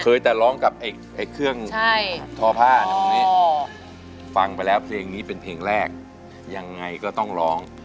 แต่ร้องกับเครื่องทอผ้าตรงนี้ฟังไปแล้วเพลงนี้เป็นเพลงแรกยังไงก็ต้องร้อง